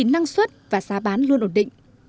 năng suất và giá bán luôn ổn định